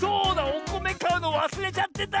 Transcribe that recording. おこめかうのわすれちゃってた！